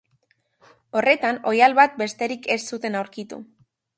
Horretan oihal bat besterik ez zuten aurkitu.